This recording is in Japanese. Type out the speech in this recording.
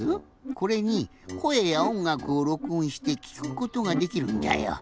これにこえやおんがくをろくおんしてきくことができるんじゃよ。